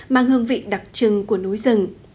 mang hương vị đặc trưng của núi rừng